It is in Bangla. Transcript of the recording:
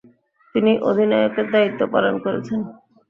তিনি অধিনায়কের দায়িত্ব পালন করেছেন।